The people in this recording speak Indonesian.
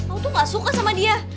aku tuh ga suka sama dia